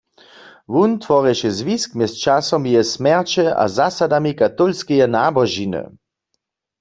Wón tworješe zwisk mjez časom jeje smjerće a zasadami katolskeje nabožiny.